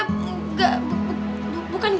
bukan bukan bukan